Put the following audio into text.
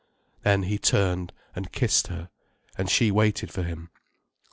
Then he turned and kissed her, and she waited for him.